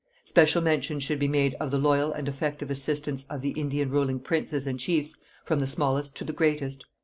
Special mention should be made of the loyal and effective assistance of the Indian ruling princes and chiefs, from the smallest to the greatest.